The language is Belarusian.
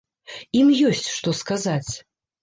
Ім ёсць што сказаць.